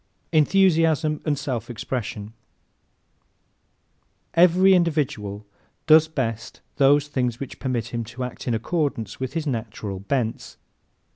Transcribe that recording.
Enthusiasm and Self Expression ¶ Every individual does best those things which permit him to act in accordance with his natural bents.